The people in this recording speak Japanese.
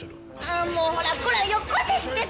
あもうほらこらよこせってば！